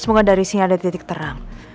semoga dari sini ada titik terang